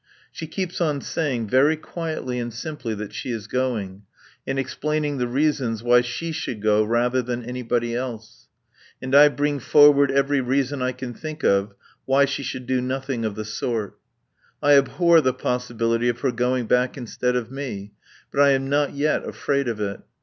She keeps on saying very quietly and simply that she is going, and explaining the reasons why she should go rather than anybody else. And I bring forward every reason I can think of why she should do nothing of the sort. I abhor the possibility of her going back instead of me; but I am not yet afraid of it.